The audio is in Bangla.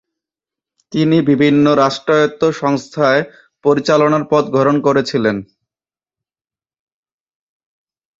তিনি বিভিন্ন রাষ্ট্রায়ত্ত সংস্থায় পরিচালনার পদ গ্রহণ করেছিলেন।